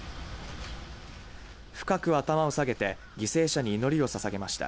深く頭を下げて犠牲者に祈りをささげました。